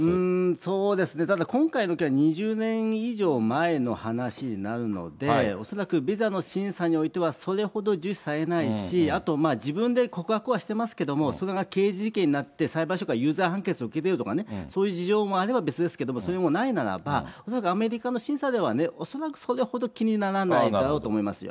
そうですね、ただ今回の件、２０年以上前の話になるので、恐らくビザの審査においては、それほど重視されないし、あと、自分で告白はしてますけれども、それが刑事事件になって、裁判所から有罪判決を受けているとか、そういう事情もあれば別ですけれども、それもないならば、恐らくアメリカの審査では、恐らくそれほど気にならないだろうと思いますよ。